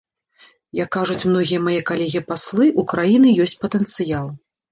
Як кажуць многія мае калегі-паслы, у краіны ёсць патэнцыял.